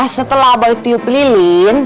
setelah boy piup lilin